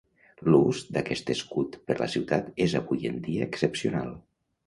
L'ús d'aquest escut per la ciutat és avui en dia excepcional.